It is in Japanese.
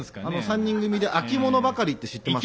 ３人組で「秋物ばかり」って知ってます？